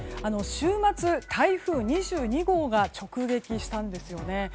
週末、台風２２号が直撃したんですよね。